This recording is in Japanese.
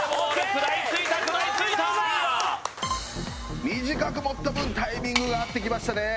食らいついた食らいついた短く持った分タイミングが合ってきましたね